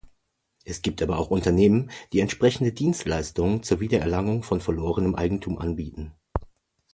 Es gibt aber auch Unternehmen, die entsprechende Dienstleistungen zur Wiedererlangung von verlorenem Eigentum anbieten.